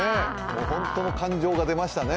本当の感情が出ましたね。